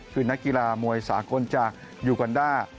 คือนักกีฬามวยสากลจากยูกอนด้า